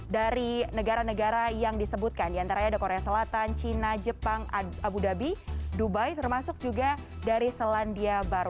dari negara negara yang disebutkan diantaranya ada korea selatan cina jepang abu dhabi dubai termasuk juga dari selandia baru